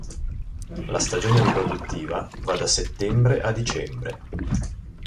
La stagione riproduttiva va da settembre a dicembre.